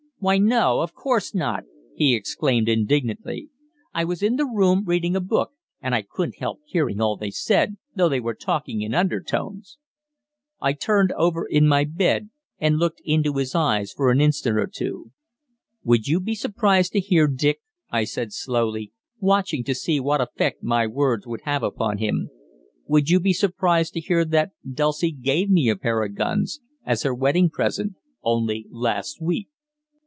"Why, no, of course not!" he exclaimed indignantly. "I was in the room, reading a book, and I couldn't help hearing all they said, though they were talking in undertones." I turned over in my bed, and looked into his eyes for an instant or two. "Would you be surprised to hear, Dick," I said slowly, watching to see what effect my words would have upon him, "would you be surprised to hear that Dulcie gave me a pair of guns, as her wedding present, only last week?"